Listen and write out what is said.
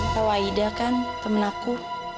tau aida kan temen aku